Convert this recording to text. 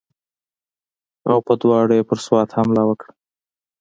او په دواړو یې پر سوات حمله وکړه.